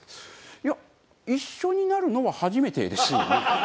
いや一緒になるのは初めてですよね？